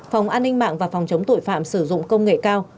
phòng an ninh mạng và phòng chống tội phạm sử dụng công nghệ cao